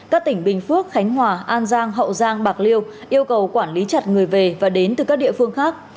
các tỉnh bình phước khánh hòa an giang hậu giang bạc liêu yêu cầu quản lý chặt người về và đến từ các địa phương khác